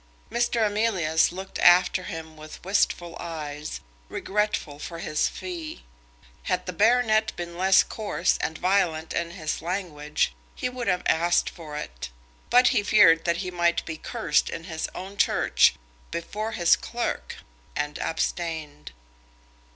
Mr. Emilius looked after him with wistful eyes, regretful for his fee. Had the baronet been less coarse and violent in his language he would have asked for it; but he feared that he might be cursed in his own church, before his clerk, and abstained.